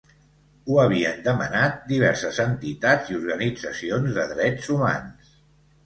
Ho havien demanat diverses entitats i organitzacions de drets humans.